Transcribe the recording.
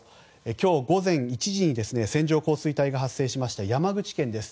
今日午前１時に線状降水帯が発生しました山口県です。